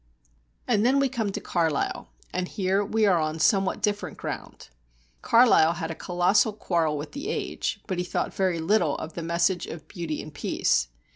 And then we come to Carlyle, and here we are on somewhat different ground. Carlyle had a colossal quarrel with the age, but he thought very little of the message of beauty and peace.